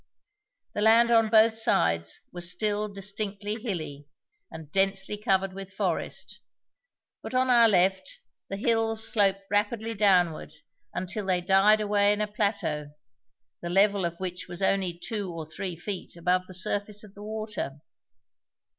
The land on both sides was still distinctly hilly, and densely covered with forest, but on our left the hills sloped rapidly downward until they died away in a plateau, the level of which was only two or three feet above the surface of the water.